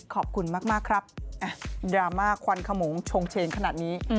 ขอบคุณมากครับดราม่าควันขมงชงเชนขนาดนี้